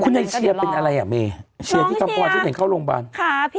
ในเชียร์เป็นอะไรอ่ะเมเชียร์ที่คำพรที่เห็นเข้าโรงพยาบาล